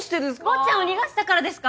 坊っちゃんを逃がしたからですか？